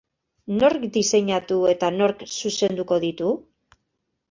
Nork diseinatu eta nork zuzenduko ditu?